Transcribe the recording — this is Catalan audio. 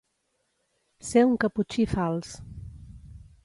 Ser un caputxí fals.